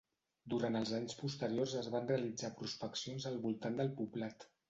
Durant els anys posteriors es van realitzar prospeccions al voltant del poblat.